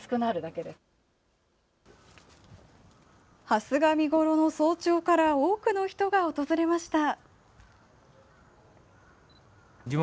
ハスが見ごろの早朝から多くの人が訪れました。